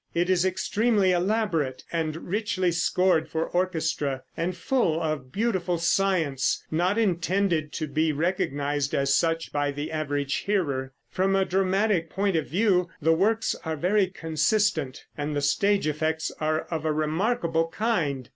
It is extremely elaborate, and richly scored for orchestra, and full of beautiful science not intended to be recognized as such by the average hearer. From a dramatic point of view the works are very consistent, and the stage effects are of a remarkable kind.